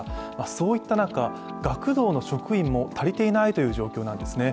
そういった中、学童の職員も足りていないという状況なんですね。